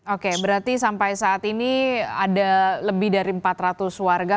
oke berarti sampai saat ini ada lebih dari empat ratus warga